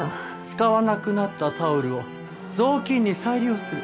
使わなくなったタオルを雑巾に再利用する。